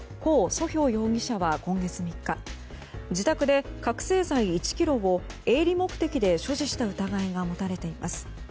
ソヒョウ容疑者は今月３日、自宅で覚醒剤１ｋｇを営利目的で所持した疑いが持たれています。